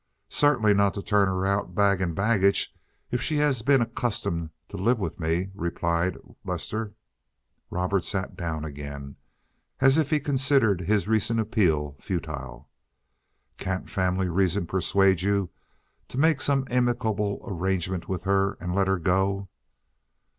"Certainly not to turn her out bag and baggage if she has been accustomed to live with me," replied Lester. Robert sat down again, as if he considered his recent appeal futile. "Can't family reasons persuade you to make some amicable arrangements with her and let her go?"